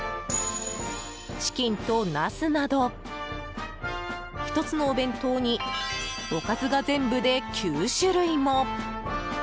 チキンとナスなど１つのお弁当におかずが全部で９種類も！